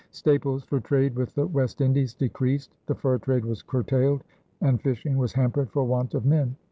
Staples for trade with the West Indies decreased; the fur trade was curtailed; and fishing was hampered for want of men.